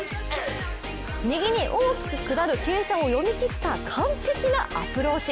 右に大きく下る傾斜を読み切った完璧なアプローチ。